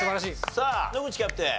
さあ野口キャプテン